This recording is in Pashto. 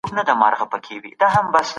ادبي څېړنه له تاریخ سره ژور تړاو لري.